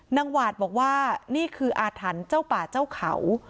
หวาดบอกว่านี่คืออาถรรพ์เจ้าป่าเจ้าเขา